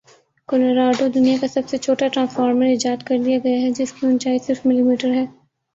Colorado دنیا کا سب سے چھوٹا ٹرانسفارمر ایجاد کرلیا گیا ہے جس کے اونچائی صرف ملی میٹر ہے